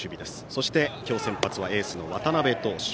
そして今日先発はエースの渡辺投手。